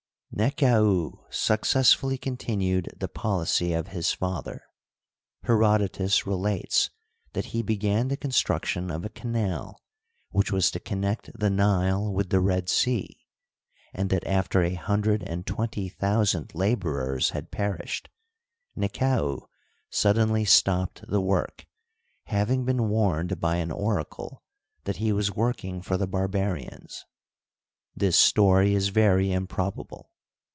Nekau successfully continued the policy of his father. Herodotus relates that he began the construction of a canal which was to connect the Nile with the Red Sea, and that, after a hundred and twenty thousand laborers had perished, Nekau suddenly stopped the work, having been warned by an oracle that he was working for the barbarians. Tnis story is very improbable.